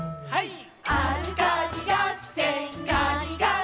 はい？